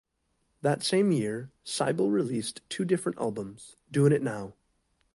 That same year, Sybil released two different albums: Doin' It Now!